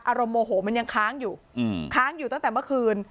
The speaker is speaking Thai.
โมโหมันยังค้างอยู่ค้างอยู่ตั้งแต่เมื่อคืน